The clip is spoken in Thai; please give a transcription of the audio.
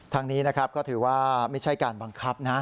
ทางนี้นะครับก็ถือว่าไม่ใช่การบังคับนะ